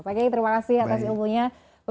pak kiai terima kasih atas ilmunya